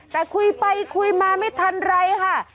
แต่คุยไปคุยมาไม่ทันไรค่ะ